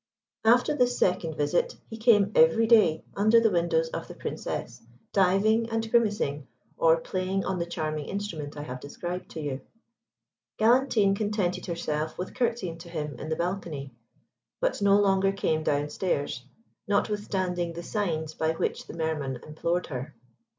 After this second visit, he came every day under the windows of the Princess, diving and grimacing, or playing on the charming instrument I have described to you. Galantine contented herself with curtseying to him in the balcony; but no longer came down stairs, notwithstanding the signs by which the Mer man implored her.